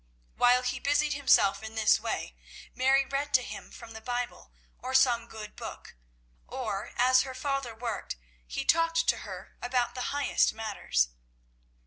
While he busied himself in this way, Mary read to him from the Bible or some good book, or, as her father worked, he talked to her about the highest matters.